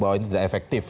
bahwa ini tidak efektif